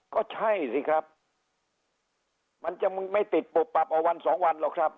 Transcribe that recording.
ก็ใช่สิครับมันจะไม่ติดปุ๊บปรับเอาวันสองวันหรอกครับ